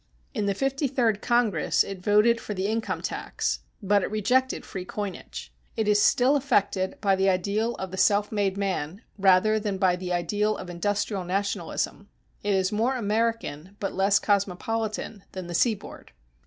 In the Fifty third Congress it voted for the income tax, but it rejected free coinage. It is still affected by the ideal of the self made man, rather than by the ideal of industrial nationalism. It is more American, but less cosmopolitan than the seaboard.